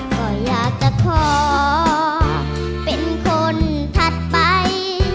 ก็อยากจะขอเป็นคนถัดไป